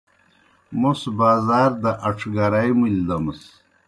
موْس بازار دہ اَڇھگرائے مُلیْ دیمَس۔